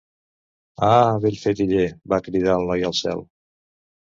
"Ah, vell fetiller", va cridar el noi al cel.